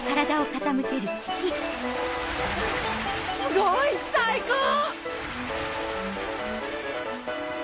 すごい！最高！